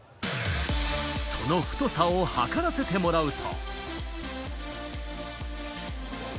その太さを測らせてもらうと。